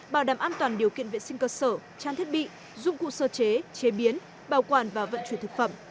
bảo đảm an toàn điều kiện vệ sinh cơ sở trang thiết bị dụng cụ sơ chế chế biến bảo quản và vận chuyển thực phẩm